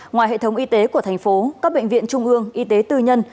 ngoài hệ thống y tế của thành phố các bệnh viện trung ương y tế tư nhân